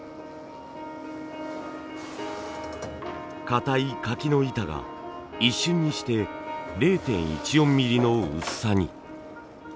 かたい柿の板が一瞬にして０．１４ミリの薄さに。